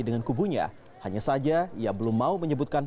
dengan kubunya hanya saja ia belum mau menyebutkan